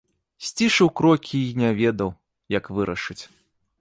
Сцішыў крокі і не ведаў, як вырашыць.